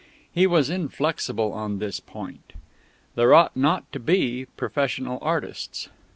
He was inflexible on this point; there ought not to be professional artists.